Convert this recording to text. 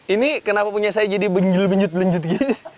ini kenapa punya saya jadi benjil benjut benjut gini